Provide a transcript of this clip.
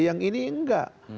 yang ini tidak